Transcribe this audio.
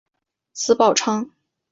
子宝昌。